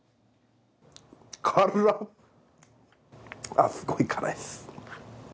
あっ、すごい辛いです。